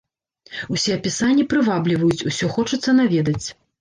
Усе апісанні прывабліваюць, усё хочацца наведаць.